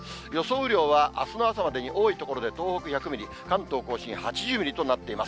雨量は、あすの朝までに多い所で、東北で１００ミリ、関東甲信８０ミリとなっています。